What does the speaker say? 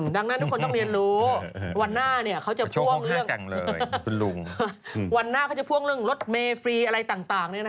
ดังนั้นทุกคนต้องเรียนรู้วันหน้าเขาจะพ่วงเรื่องรถเมฟรีอะไรต่าง